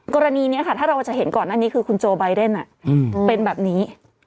กรณีนี้ค่ะถ้าเราจะเห็นก่อนหน้านี้คือคุณโจไบเดนเป็นแบบนี้